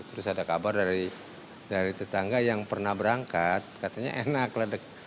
terus ada kabar dari dari tetangga yang pernah berangkat katanya enaklah